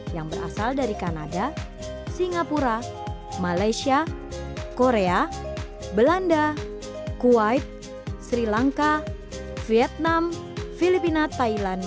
yang berasal dari kanada singapura malaysia korea belanda kuwait sri lanka vietnam filipina thailand